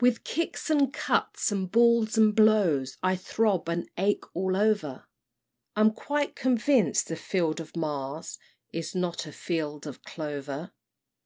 "With kicks and cuts, and balls and blows, I throb and ache all over; I'm quite convinc'd the field of Mars Is not a field of clover!